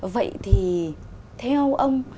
vậy thì theo ông